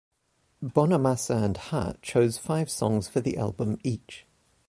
Bonamassa and Hart chose five songs for the album each.